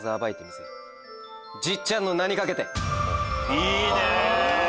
いいね！